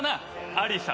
アリサ。